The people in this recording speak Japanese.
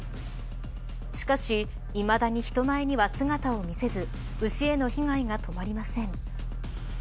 しかしいまだに人前には姿を見せず牛への被害が止まりません。